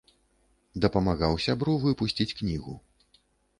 Дапамагаў сябру выпусціць кнігу.